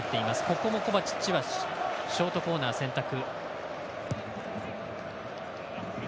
ここもコバチッチはショートコーナー選択。